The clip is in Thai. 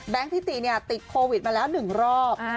แบงค์ทิตย์ติดโควิดมาแล้วหนึ่งรอบ